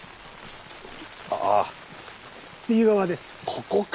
ここか。